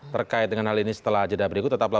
terkait dengan hal ini setelah jeda berikut tetaplah